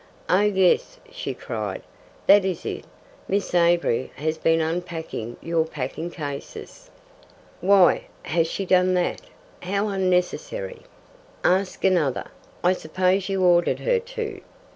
"Oh yes," she cried, "that is it: Miss Avery has been unpacking your packing cases." "Why has she done that? How unnecessary!" "Ask another. I suppose you ordered her to."